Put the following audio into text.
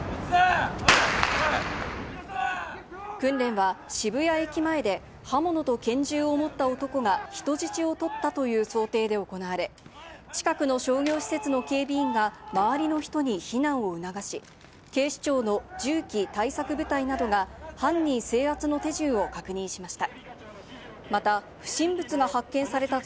訓練は渋谷駅前で刃物と拳銃を持った男が人質を取ったという想定で行われ、近くの商業施設の警備員が周りの人に避難を促し、警視庁の銃器対策部隊などが犯人制圧の手順を確認しました。